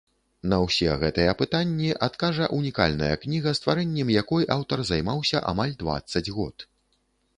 На ўсе гэтыя пытанні адкажа ўнікальная кніга, стварэннем якой аўтар займаўся амаль дваццаць год.